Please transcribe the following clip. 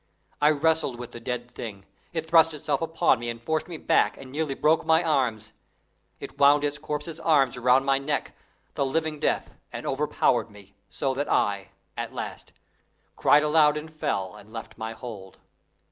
I wrestled with the dead thing; it thrust itself upon me and forced me back and nearly broke my arms; it wound its corpse's arms about my neck, the living death, and overpowered me, so that I, at last, cried aloud and fell, and left my hold.